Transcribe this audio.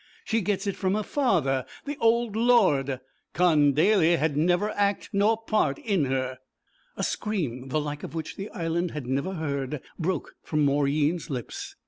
She gets it from her father, th' ould lord. Con Daly had never act nor part in her.' A scream, the like of which the Island had never heard, broke from Mauryeen's lips.